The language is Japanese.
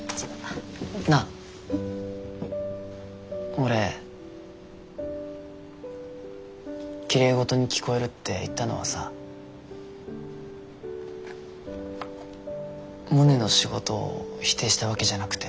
俺きれいごどに聞こえるって言ったのはさモネの仕事を否定したわけじゃなくて。